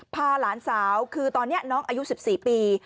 พาหลานสาวคือตอนนี้น้องอายุ๑๔ปี